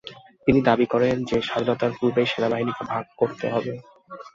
তিনি দাবি করেন যে স্বাধীনতার পূর্বেই সেনাবাহিনীকে ভাগ করতে হবে।